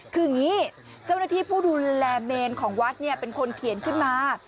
คืออย่างนี้เจ้าหน้าที่ผู้ดูแลเมนของวัดเป็นคนเขียนขึ้นมา